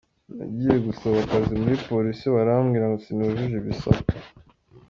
Nagiye gusaba akazi muri Polisi barambwira ngo sinujuje ibisabwa.